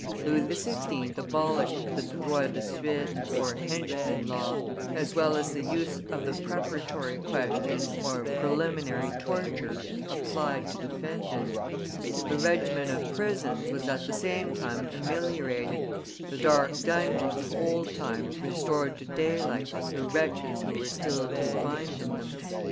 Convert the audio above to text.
Louis XVI. abolished the droit de suite (henchman law), as well as the use of the preparatory question or preliminary torture applied to defendants. The regimen of prisons was at the same time ameliorated, the dark dungeons of old times restored to daylight the wretches who were still confined in them.